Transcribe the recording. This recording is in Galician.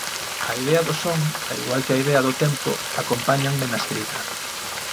A idea do son, ao igual que a idea do tempo, acompáñanme na escrita.